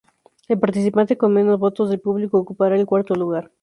El participante con menos votos del público ocupara el cuarto lugar.